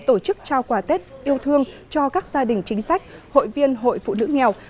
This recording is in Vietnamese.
tổ chức trao quà tết yêu thương cho các gia đình chính sách hội viên hội phụ nữ nghèo